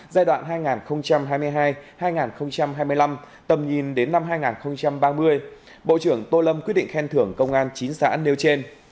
giai đoạn hai nghìn hai mươi hai hai nghìn hai mươi năm tầm nhìn đến năm hai nghìn ba mươi bộ trưởng tô lâm quyết định khen thưởng công an chín xã nêu trên